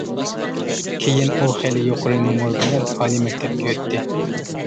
كېيىن ئۇ خېلى يۇقىرى نومۇر بىلەن ئالىي مەكتەپكە ئۆتتى.